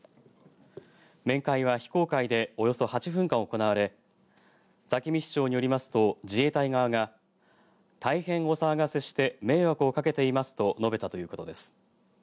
面会は非公開でおよそ８分間行われ座喜味市長によりますと自衛隊側が大変お騒がせして迷惑をかけていますと述べたということです。